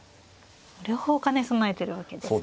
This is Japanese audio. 両方兼ね備えてるわけですね。